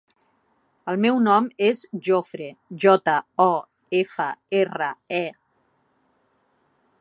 El meu nom és Jofre: jota, o, efa, erra, e.